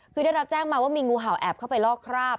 คือได้รับแจ้งมาว่ามีงูเห่าแอบเข้าไปลอกคราบ